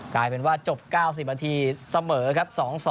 กลายเป็นว่าจบ๙๐นาทีเสมอครับ๒๒